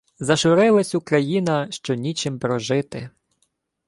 «Зажурилась Україна, що нічим прожити…»